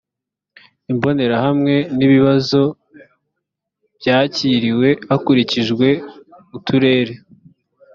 imbonerahamwe n ibibazo byakiriwe hakurikijwe uturere